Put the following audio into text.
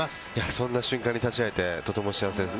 そんな瞬間に立ち会えて、とても幸せです。